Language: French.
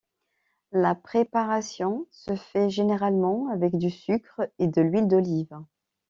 La préparation se fait généralement avec du sucre et de l'huile d'olive.